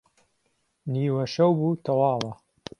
نیوه شەو بوو تهواوە